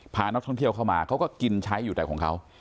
พานักท่องเที่ยวเข้ามาเขาก็กินใช้อยู่แต่ของเขา